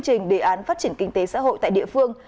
trong đó có nhiều dự án phát triển kinh tế xã hội tại địa phương